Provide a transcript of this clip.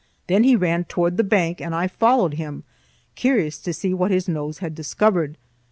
Then he ran toward the Bank, and I followed him, curious to see what his nose had discovered.